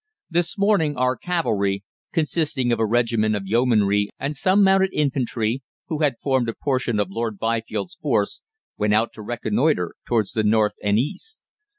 This morning our cavalry, consisting of a regiment of yeomanry and some mounted infantry, who had formed a portion of Lord Byfield's force, went out to reconnoitre towards the north and east.